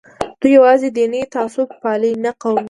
دوی یوازې دیني تعصب پالي نه قومي.